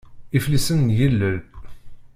Iflisen n yilel